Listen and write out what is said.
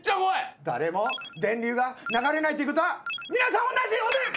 誰も電流が流れないということは皆さん同じおでん！